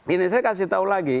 ini saya kasih tahu lagi